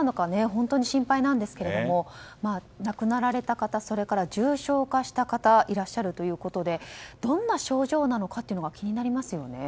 本当に心配なんですが亡くなられた方それから重症化した方がいらっしゃるということでどんな症状なのかが気になりますよね。